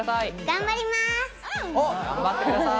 頑張ります！